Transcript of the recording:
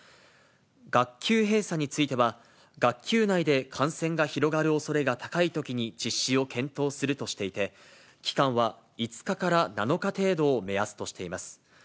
学級閉鎖については、学級内で感染が広がるおそれが高いときに実施を検討するとしていて、期間は５日から７日程度を目安としています。